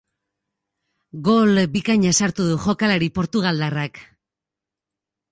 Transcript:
Gol bikaina sartu du jokalari portugaldarrak.